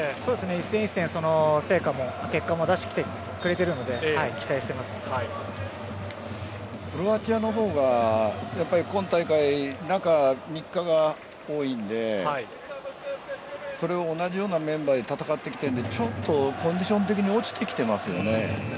一戦一戦、成果も結果も出してくれているのでクロアチアの方が今大会、中３日が多いのでそれを同じようなメンバーで戦ってきているのでちょっとコンディション的に落ちてきていますよね。